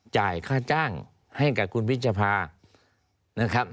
จ่ายค่าจ้างให้กับคุณพิจภาพ